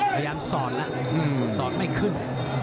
พยายามสอนละสอนไม่ขึ้น